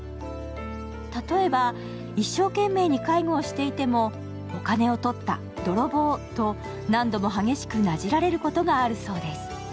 例えば、一生懸命に介護をしていてもお金をとった、泥棒と何度も激しくなじられることがあるそうです。